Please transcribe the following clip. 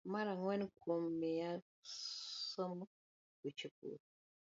Mar ang'wen, kuom miyo somo weche pur